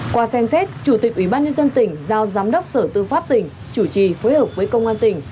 qua xem xét chủ tịch ủy ban nhân dân tỉnh giao giám đốc sở tư pháp tỉnh chủ trì phối hợp với công an tỉnh